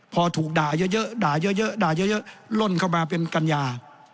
พอถูกด่าเยอะด่าเยอะด่าเยอะล่นเข้ามาเป็นกัญญา